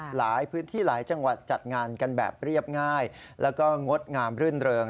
หลายพื้นที่หลายจังหวัดจัดงานกันแบบเรียบง่ายแล้วก็งดงามรื่นเริง